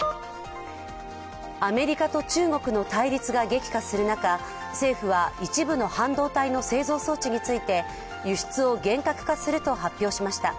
アメリカと中国の対立が激化する中、政府は一部の半導体の製造装置について輸出を厳格化すると発表しました。